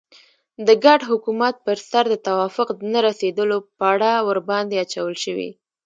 د ګډ حکومت پر سر د توافق نه رسېدلو پړه ورباندې اچول شوې.